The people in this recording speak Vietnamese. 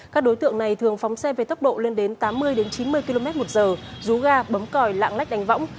các đối tượng này thường phóng xe về tốc độ lên đến tám mươi chín mươi km một giờ rú ga bấm còi lạng lách đánh võng